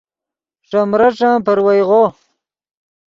ݰے مریݯن پروئیغو